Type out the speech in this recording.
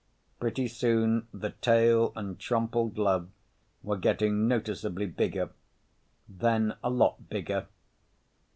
Pretty soon the tail and Trompled Love were getting noticeably bigger. Then a lot bigger.